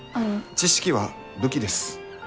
知識は武器です。